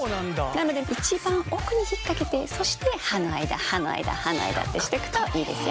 なので一番奥に引っ掛けてそして歯の間歯の間歯の間ってしてくといいですよ。